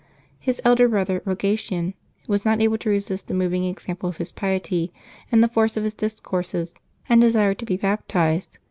His elder brother, Eogatian, was not able to resist the moving example of his piety and the force of his discourses, and desired to be baptized.